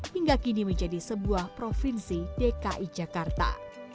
hingga kini menjadi sebuah provinsi dki jakarta